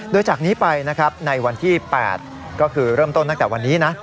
โดยจากนี้ไปนะครับในวันที่๘ก็คือเริ่มต้นตั้งแต่วันนี้นะ